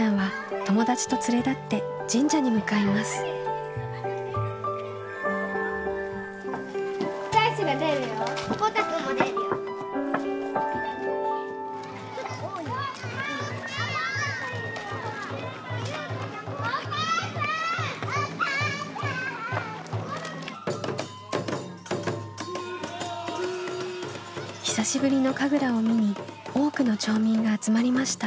久しぶりの神楽を見に多くの町民が集まりました。